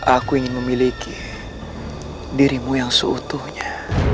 aku ingin memiliki dirimu yang seutuhnya